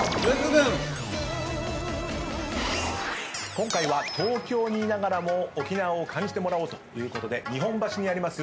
今回は東京にいながらも沖縄を感じてもらおうということで日本橋にあります